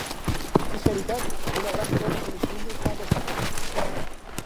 Edifici habitat amb una gran torre semicilíndrica adossada.